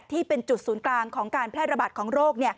ที่เป็นจุดศูนย์กลางของการแพร่ระบาดของโรค